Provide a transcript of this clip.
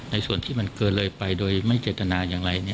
ในส่วนที่มันเกินเลยไปโดยไม่เจตนาอย่างไร